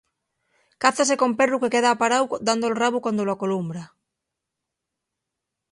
Cázase con perru que queda aparáu dando'l rabu cuando l'acolumbra.